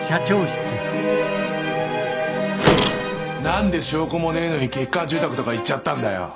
何で証拠もねえのに欠陥住宅とか言っちゃったんだよ！